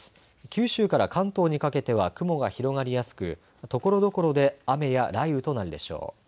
九州から関東にかけては雲が広がりやすくところどころで雨や雷雨となるでしょう。